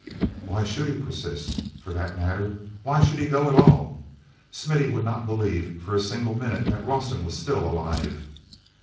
Why should he persist—for that matter, why should he go at all? Smithy would not believe for a single minute that Rawson was still alive.